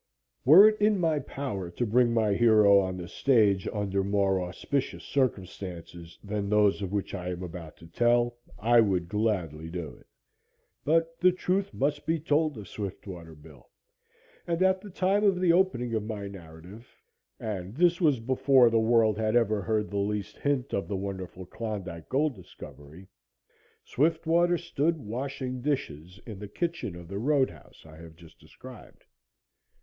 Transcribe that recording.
Were it in my power to bring my hero on the stage under more auspicious circumstances than those of which I am about to tell, I would gladly do it. But the truth must be told of Swiftwater Bill, and at the time of the opening of my narrative and this was before the world had ever heard the least hint of the wonderful Klondike gold discovery Swiftwater stood washing dishes in the kitchen of the road house I have just described.